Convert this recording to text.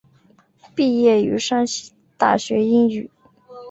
毕业于山西大学英语。